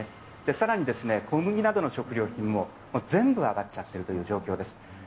さらに小麦などの食料品も全部上がっちゃってるという状況です。